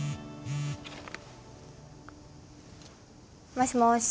もしもーし。